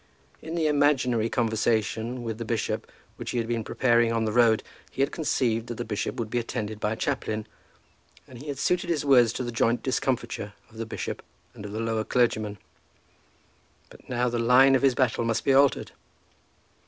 In the imaginary conversation with the bishop which he had been preparing on the road, he had conceived that the bishop would be attended by a chaplain, and he had suited his words to the joint discomfiture of the bishop and of the lower clergyman; but now the line of his battle must be altered.